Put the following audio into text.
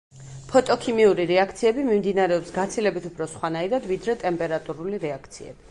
ფოტოქიმიური რეაქციები მიმდინარეობს გაცილებით უფრო სხვანაირად ვიდრე ტემპერატურული რეაქციები.